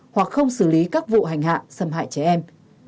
hoặc không xử lý các vụ hành hạ xâm hại trẻ em